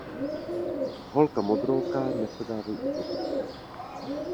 Holka modrooká nesedávej u potoka.